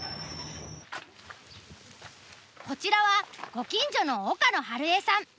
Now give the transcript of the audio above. こちらはご近所の岡野春江さん。